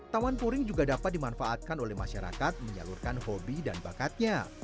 taman puring juga dapat dimanfaatkan oleh masyarakat menyalurkan hobi dan bakatnya